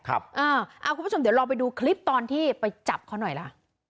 คุณผู้ชมเดี๋ยวลองไปดูคลิปตอนที่ไปจับเขาหน่อยล่ะ